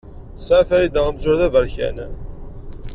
Tesɛa Farida amzur aberkan.